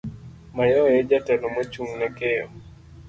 Mayowe e jatelo mochung' ne keyo.